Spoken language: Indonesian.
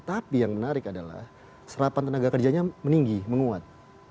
tapi yang menarik adalah serapan tenaga kerjanya meninggi menguat